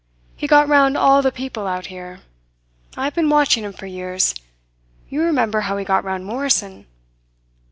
He got round all the people out here. I've been watching him for years. You remember how he got round Morrison."